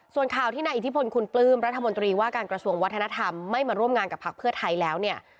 ส่วนข่าวที่นายอิทธิพลคุณปลื้มรัฐมนตรีว่าการกระทรวงวัฒนธรรมไม่มาร่วมงานกับพักเพื่อไทยแล้วเนี่ย